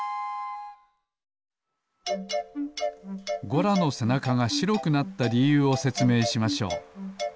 ゴラのせなかがしろくなったりゆうをせつめいしましょう。